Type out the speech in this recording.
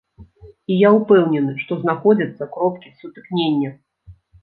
І я ўпэўнены, што знаходзяцца кропкі сутыкнення.